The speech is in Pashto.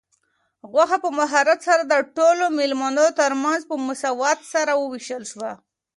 غوښه په مهارت سره د ټولو مېلمنو تر منځ په مساوات سره وویشل شوه.